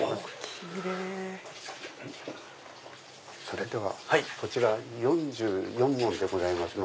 それではこちら４４文でございます。